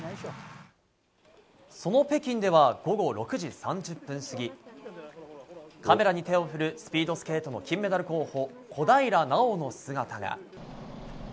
その北京では午後６時３０分過ぎカメラに手を振るスピードスケートの金メダル候補小平奈緒の姿が。